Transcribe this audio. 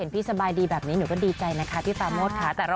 พี่สบายดีแบบนี้หนูก็ดีใจนะคะพี่ฟาโมทค่ะ